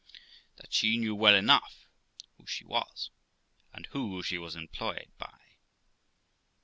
That she knew well enough who she was, and who she was employed by.